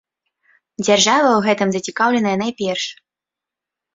Дзяржава ў гэтым зацікаўленая найперш.